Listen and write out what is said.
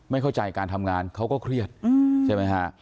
ไม่เข้าใจการทำงานเขาก็เครียดใช่ไหมฮะ